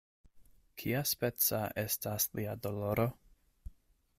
"Kiaspeca estas lia doloro?"